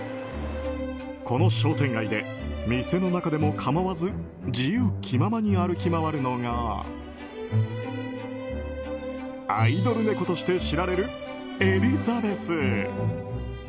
この商店街で店の中でも構わず自由気ままに歩き回るのがアイドル猫として知られるエリザベス。